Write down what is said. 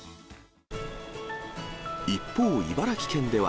一方、茨城県では。